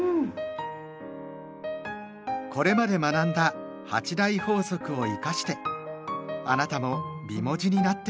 これまで学んだ「８大法則」を生かしてあなたも美文字になって下さい。